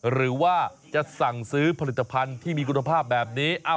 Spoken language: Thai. หรือว่าจะสั่งซื้อผลิตภัณฑ์ที่มีคุณภาพแบบนี้